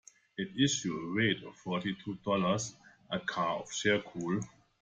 It issued a rate of forty two dollars a car on charcoal.